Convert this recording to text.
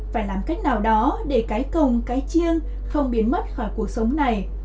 phải làm cách nào đó để cái cồng cái chiêng không biến mất khỏi cuộc sống này